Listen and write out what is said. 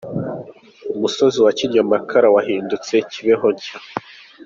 Umusozi wa Kinyamakara wahindutse Kibeho nshya